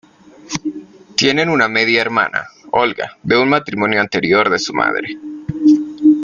Tienen una media hermana, Olga, de un matrimonio anterior de su madre.